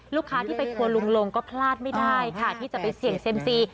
ลูกค้าที่ไปครัวลุงลงก็พลาดไม่ได้ค่ะที่จะไปเสี่ยงเซ็มซี